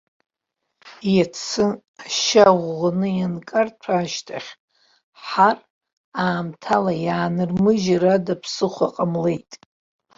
Иацы, ашьа ӷәӷәаны ианкарҭәа ашьҭахь, ҳар, аамҭала иаанырмыжьыр ада ԥсыхәа ҟамлеит.